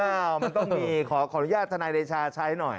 มันต้องมีขออนุญาตทนายเดชาใช้หน่อย